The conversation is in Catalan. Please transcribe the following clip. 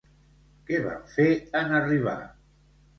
Què van fer en arribar?